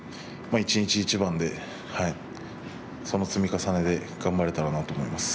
一日一番でその積み重ねで頑張れたらと思います。